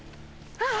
あっ！